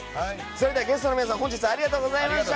それではゲストの皆さん本日、ありがとうございました。